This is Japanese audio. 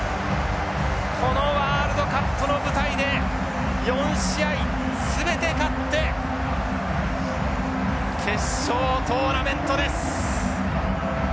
このワールドカップの舞台で４試合全て勝って決勝トーナメントです。